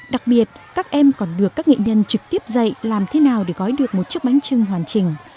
đặc biệt các em còn được các nghệ nhân trực tiếp dạy làm thế nào để gói được một chiếc bánh trưng hoàn chỉnh